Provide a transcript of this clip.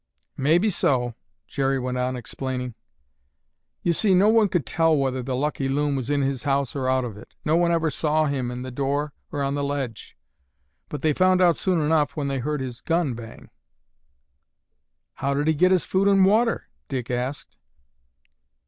"Maybe so," Jerry went on explaining. "You see no one could tell whether the Lucky Loon was in his house or out of it; no one ever saw him in the door or on the ledge, but they found out soon enough when they heard his gun bang." "How did he get his food and water?" Dick asked.